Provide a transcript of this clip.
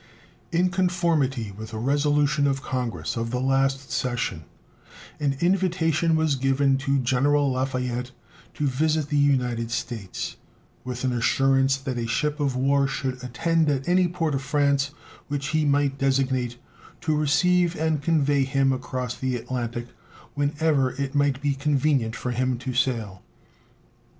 In conformity with a resolution of Congress of the last session, an invitation was given to General Lafayette to visit the United States, with an assurance that a ship of war should attend at any port of France which he might designate, to receive and convey him across the Atlantic, whenever it might be convenient for him to sail.